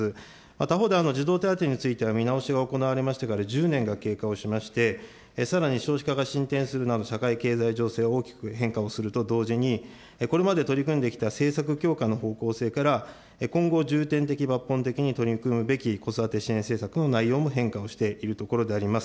他方で児童手当については、見直しが行われましてから１０年が経過をしまして、さらに少子化が進展するなど、社会経済情勢は大きく変化をすると同時に、これまで取り組んできた政策強化の方向性から、今後重点的抜本的に取り組むべき子育て支援政策の内容も変化をしているところであります。